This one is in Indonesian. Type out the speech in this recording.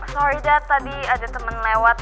sorry dad tadi ada temen lewat